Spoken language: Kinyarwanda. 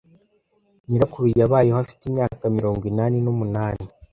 Nyirakuru yabayeho afite imyaka mirongo inani n'umunani.